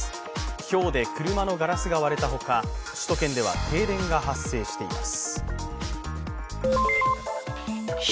ひょうで車のガラスが割れたほか首都圏では停電が発生しています。